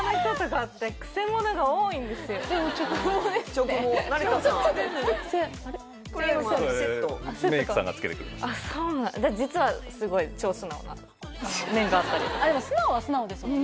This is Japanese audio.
あっそうなんだじゃあ実はすごい超素直な面があったりでも素直は素直ですもんね